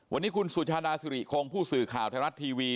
วันนี้คุณสุชาดาสุริคงผู้สื่อข่าวไทยรัฐทีวี